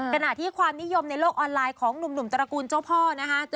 ขณะที่ความนิยมในโลกออนไลน์ของหนุ่มตระกูลเจ้าพ่อนะคะ